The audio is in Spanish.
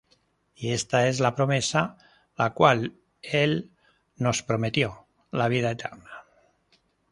Y esta es la promesa, la cual él nos prometió, la vida eterna.